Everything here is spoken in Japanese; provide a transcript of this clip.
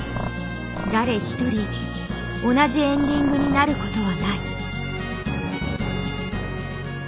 誰一人同じエンディングになることはない。